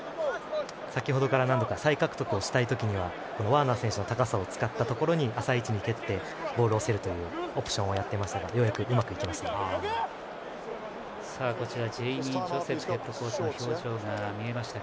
先程から再獲得したい時はワーナー選手の高さを使ったところで浅い位置に蹴ってボールを競るというオプションをやっていますがようやくうまくいきました。